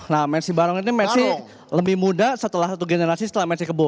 nah mercy barong ini mercy lebih muda setelah satu generasi setelah mercy kebo